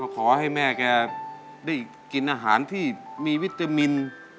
ขอให้แม่แกได้กินอาหารที่มีวิตามิน